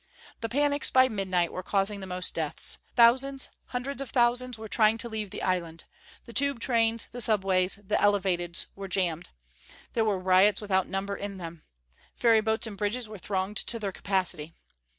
The panics, by midnight, were causing the most deaths. Thousands, hundreds of thousands, were trying to leave the island. The tube trains, the subways, the elevateds were jammed. There were riots without number in them. Ferryboats and bridges were thronged to their capacity.